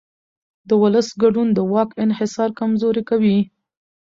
د ولس ګډون د واک انحصار کمزوری کوي